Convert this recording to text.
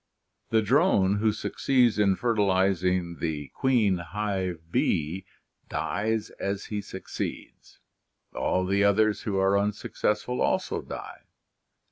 The drone who succeeds in fertilizing the queen hive bee dies as he succeeds; all the others who are unsuccessful, also die.